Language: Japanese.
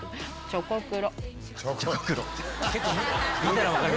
チョコクロ。